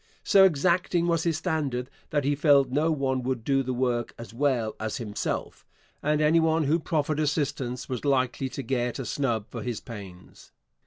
So exacting was his standard that he felt no one would do the work as well as himself, and any one who proffered assistance was likely to get a snub for his pains.